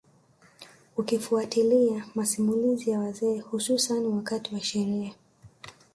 Ukifuatilia masimulizi ya wazee hususani wakati wa sherehe